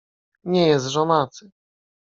"Nie jest żonaty."